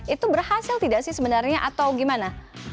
itu berhasil tidak sih sebenarnya atau gimana